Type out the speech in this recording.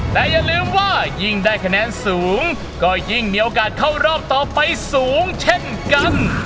แต่อย่าลืมว่ายิ่งได้คะแนนสูงก็ยิ่งมีโอกาสเข้ารอบต่อไปสูงเช่นกัน